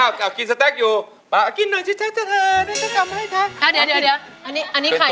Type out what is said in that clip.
งั้นพี่ขอดูซีนนี้เลย